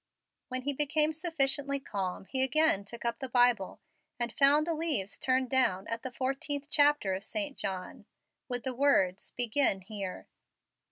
When he became sufficiently calm he again took up the Bible, and found the leaves turned down at the 14th chapter of St. John, with the words, "Begin here."